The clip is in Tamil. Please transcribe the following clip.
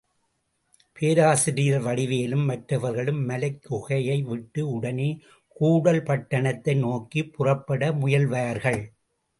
பேராசிரியர் வடிவேலும் மற்றவர்களும் மலைக் குகையை விட்டு உடனே கூடல் பட்டணத்தை நோக்கிப் புறப்பட முயல்வார்கள்.